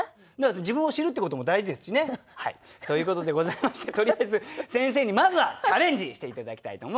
自分を知るってことも大事ですしね。ということでございましてとりあえず先生にまずはチャレンジして頂きたいと思います。